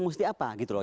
mesti apa gitu loh